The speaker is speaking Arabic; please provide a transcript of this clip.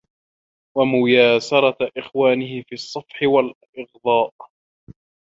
وَمُيَاسَرَةُ إخْوَانِهِ فِي الصَّفْحِ وَالْإِغْضَاءِ